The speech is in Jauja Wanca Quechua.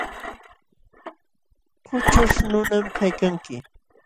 Kućhuśh nunam kaykanki.